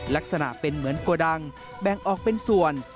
ลักษณะเป็นเหมือนโกดังแบ่งออกเป็นส่วน